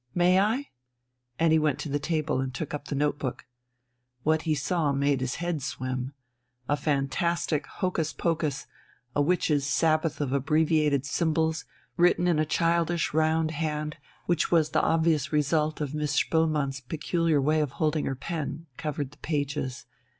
May I?..." And he went to the table and took up the notebook. What he saw made his head swim. A fantastic hocus pocus, a witches' sabbath of abbreviated symbols, written in a childish round hand which was the obvious result of Miss Spoelmann's peculiar way of holding her pen, covered the pages.